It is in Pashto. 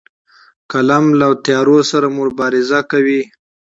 قلم له تیارو سره مبارزه کوي